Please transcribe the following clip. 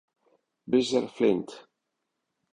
Bruiser Flint